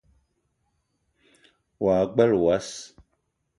Wa gbele wass